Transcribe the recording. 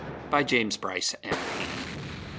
BY JAMES BRYCE, M.P.